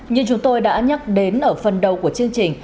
như chúng tôi đã nhắc đến ở phần đầu của chương trình